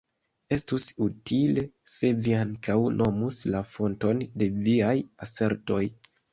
Estus utile, se vi ankaŭ nomus la fonton de viaj asertoj.